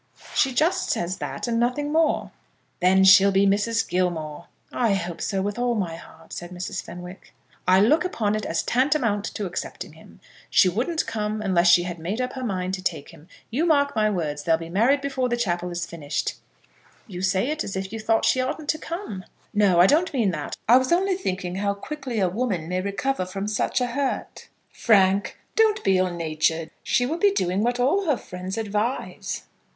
"She just says that and nothing more." "Then she'll be Mrs. Gilmore." "I hope so, with all my heart," said Mrs. Fenwick. "I look upon it as tantamount to accepting him. She wouldn't come unless she had made up her mind to take him. You mark my words. They'll be married before the chapel is finished." "You say it as if you thought she oughtn't to come." "No; I don't mean that. I was only thinking how quickly a woman may recover from such a hurt." "Frank, don't be ill natured. She will be doing what all her friends advise."